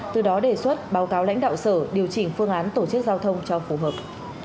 từ đó đề xuất báo cáo lãnh đạo sở điều chỉnh phương án tổ chức giao thông cho phù hợp